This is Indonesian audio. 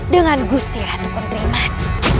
dengan gusti ratu kuntriman